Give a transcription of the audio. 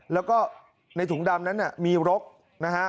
แล้วก็ในถุงดำนั้นมีรกนะฮะ